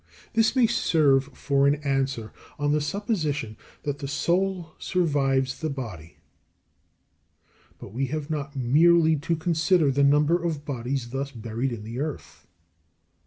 This may serve for an answer, on the supposition that the soul survives the body. But we have not merely to consider the number of bodies thus buried in the earth.